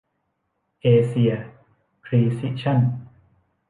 เอเซีย พรีซิชั่น